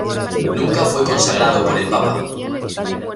Nunca fue consagrado por el Papa.